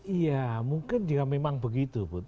iya mungkin dia memang begitu put